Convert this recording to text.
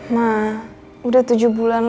ma udah tujuh bulan